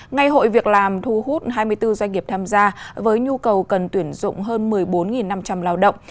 ngày hội việc làm thu hút hai mươi bốn doanh nghiệp tham gia với nhu cầu cần tuyển dụng hơn một mươi bốn năm trăm linh lao động